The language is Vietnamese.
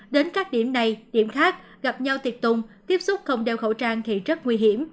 đến các điểm này điểm khác gặp nhau tiệc tùng tiếp xúc không đeo khẩu trang thì rất nguy hiểm